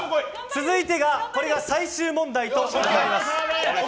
続いてが最終問題となります。